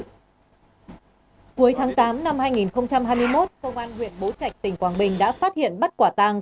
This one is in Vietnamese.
cuối tháng tám năm hai nghìn hai mươi một công an huyện bố trạch tỉnh quảng bình đã phát hiện bắt quả tàng